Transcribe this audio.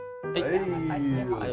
はい。